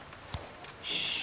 よし。